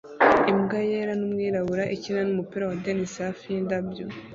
Imbwa yera numwirabura ikina numupira wa tennis hafi yindabyo